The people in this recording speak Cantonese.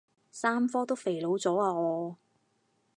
三科都肥佬咗啊我